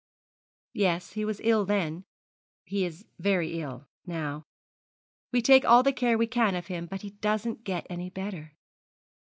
'Yes, he was ill then he is very ill now. We take all the care we can of him, but he doesn't get any better.'